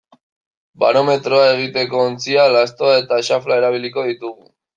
Barometroa egiteko ontzia, lastoa eta xafla erabiliko ditugu.